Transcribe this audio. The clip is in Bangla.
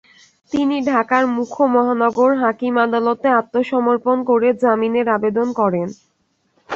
তিনি ঢাকার মুখ্য মহানগর হাকিম আদালতে আত্মসমর্পণ করে জামিনের আবেদন করেন।